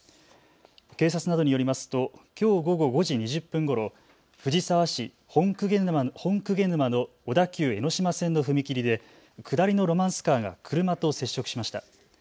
警察などによりますときょう午後５時２０分ごろ藤沢市本鵠沼の小田急江ノ島線の踏切で下りのロマンスカーが車と接触しました。